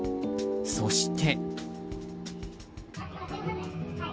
そして。